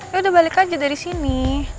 ya udah balik aja dari sini